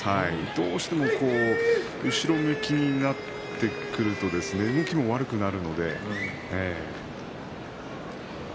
どうしても後ろ向きになってくると動きも悪くなるので。